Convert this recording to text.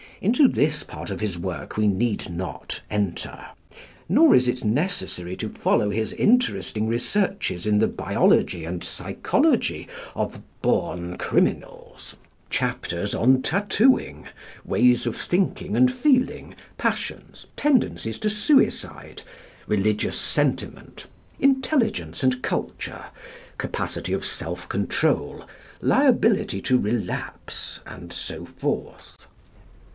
Into this part of his work we need not enter. Nor is it necessary to follow his interesting researches in the biology and psychology of "born criminals" chapters on tattooing, ways of thinking and feeling, passions, tendencies to suicide, religious sentiment, intelligence and culture, capacity of self control, liability to relapse, and so forth.